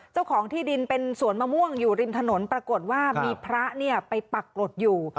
เจ้าของที่ดินเป็นสวนมะม่วงอยู่ริมถนนปรากฏว่ามีพระไปปักกรดอยู่